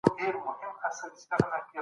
بحثونه چېرته خپرېږي؟